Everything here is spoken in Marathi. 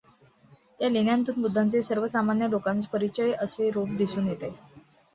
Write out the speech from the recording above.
या लेण्यांतून बुद्धाचे सर्वसामान्य लोकांस परिचित असे रूप दिसून येते.